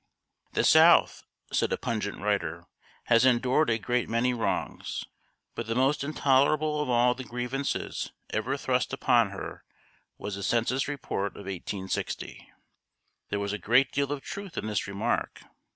"The South," said a pungent writer, "has endured a great many wrongs; but the most intolerable of all the grievances ever thrust upon her was the Census Report of 1860!" There was a great deal of truth in this remark.